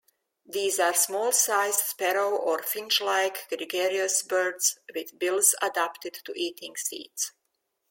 These are small-sized, sparrow- or finch-like gregarious birds, with bills adapted to eating seeds.